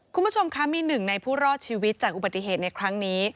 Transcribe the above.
คุณผู้ชมคะมีหนึ่งในผู้รอดชีวิตจากอุบัติเหตุในครั้งนี้